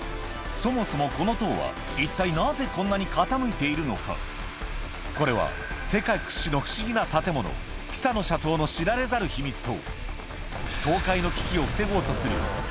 そもそもこの塔は一体これは世界屈指の不思議な建物ピサの斜塔のに迫った番組だ